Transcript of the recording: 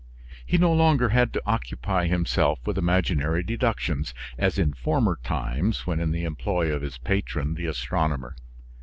He no longer had to occupy himself with imaginary deductions, as in former times when in the employ of his patron, the astronomer.